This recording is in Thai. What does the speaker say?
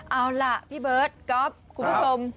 เอาล่ะพี่เบิร์ตก๊อฟคุณผู้ชม